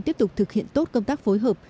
tiếp tục thực hiện tốt công tác phối hợp